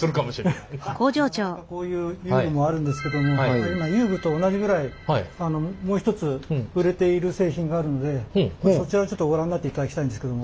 なかなかこういう遊具もあるんですけども今遊具と同じぐらいもう一つ売れている製品があるのでそちらをちょっとご覧になっていただきたいんですけども。